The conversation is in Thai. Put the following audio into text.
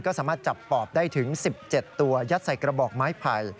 ก็สามารถจับปอบได้ถึง๑๗ตัวยัดใส่กระบอกไม้ไผ่